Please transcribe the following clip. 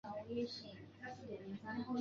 目前未有任何亚种被确认。